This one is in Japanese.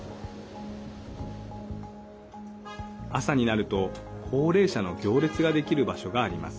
朝になると高齢者の行列ができる場所があります。